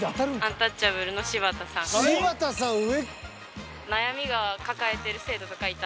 柴田さん上。